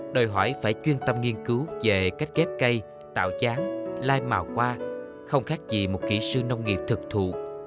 đòi hỏi phải chuyên tâm nghiên cứu về cách kép cây tạo chán lai mà qua không khác gì một kỹ sư nông nghiệp thực thụ